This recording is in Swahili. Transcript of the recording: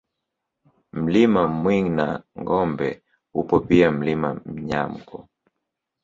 Mlima Mwinangombe upo pia Mlima Myanko